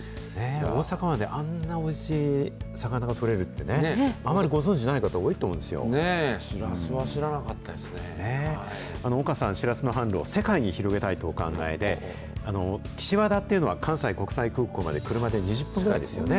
大阪湾であんなおいしい魚が取れるってね、あまりご存じないねえ、シラスは知らなかった岡さん、シラスの販路を世界に広げたいとお考えで、岸和田っていうのは、関西国際空港まで車で２０分ぐらいですよね。